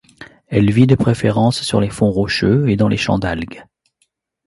Elle vit de préférence sur les fonds rocheux et dans les champs d'algues.